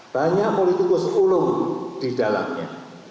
banyak politikus ulum di dalamnya